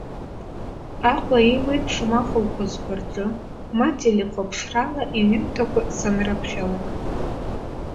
Аҟәа еиуеиԥшым ахәылԥазқәа рҿы, ма телехәаԥшрала иҩымҭақәа санрыԥхьалак.